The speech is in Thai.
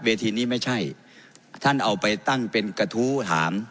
ทีนี้ไม่ใช่ท่านเอาไปตั้งเป็นกระทู้ถาม